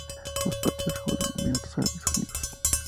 Los partidos se jugaron en Emiratos Árabes Unidos.